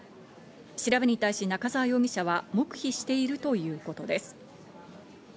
調べに対し仲沢容疑者は黙秘しているということです。